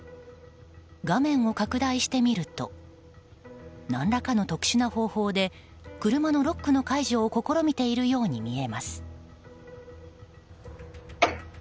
画面を拡大してみると何らかの特殊な方法で車のロックの解除を試みているように見えます。